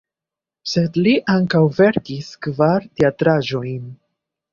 Sed li ankaŭ verkis kvar teatraĵojn.